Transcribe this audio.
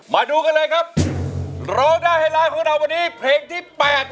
มาดูกันเลยครับร้องได้ให้ร้านของเราวันนี้เพลงที่๘